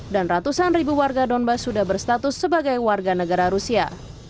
dan ratusan ribu warga donbass sudah berstatus sebagai warga negara rusia